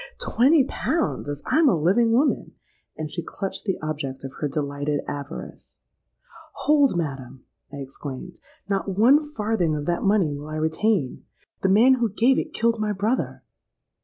'Twenty pounds, as I'm a living woman!' and she clutched the object of her delighted avarice.—'Hold, madam!' I exclaimed. 'Not one farthing of that money will I retain! The man who gave it killed my brother!'